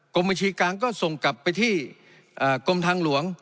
กรมบัญชีกลางก็ส่งกลับไปที่กรมทางหลวง